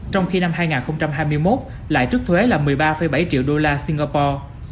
trong khi năm hai nghìn hai mươi một lại trước thuế là một mươi ba bảy triệu đô la singapore